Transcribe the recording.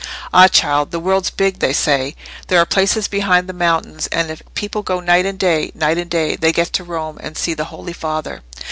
"Ah, child! the world's big, they say. There are places behind the mountains, and if people go night and day, night and day, they get to Rome, and see the Holy Father."